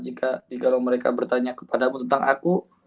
jika mereka bertanya kepadamu tentang aku